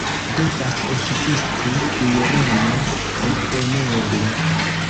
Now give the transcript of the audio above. Devas ekzisti kuirejo, kompreneble.